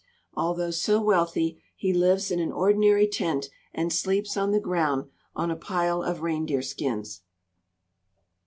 Although so wealthy, he lives in an ordinary tent and sleeps on the ground, on a pile of reindeer skins.